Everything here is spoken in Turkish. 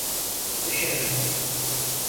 Dışarı.